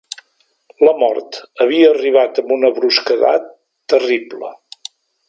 La mort havia arribat amb una brusquedat terrible.